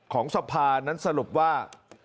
ของสภานั้นสรุปว่า